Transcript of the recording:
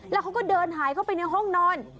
แล้วเขาก็เดินหายเข้าไปในห้องนอน